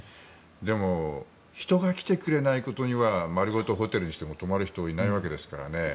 でも人が来てくれないことには丸ごとホテルにしても泊まる人がいないわけですからね。